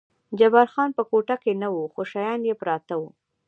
جبار خان په کوټه کې نه و، خو شیان یې پراته و.